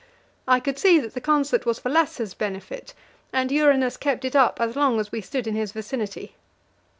I could see that the concert was for Lasse's benefit, and Uranus kept it up as long as we stood in his vicinity.